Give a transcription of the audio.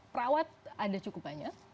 perawat ada cukup banyak